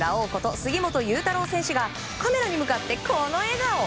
杉本裕太郎選手がカメラに向かって、この笑顔。